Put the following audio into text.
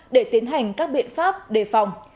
để tiến hành các biện pháp đề phòng